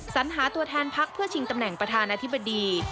สัญหาตัวแทนพักเพื่อชิงตำแหน่งประธานาธิบดี